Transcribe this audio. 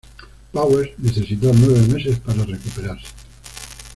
Powers necesitó nueve meses para recuperarse.